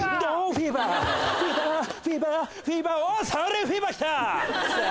フィーバーフィーバーフィーバーフィーバーおさ